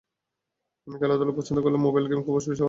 আমি খেলাধুলা পছন্দ করলেও মোবাইল গেম খুব বেশি ভালো লাগে না।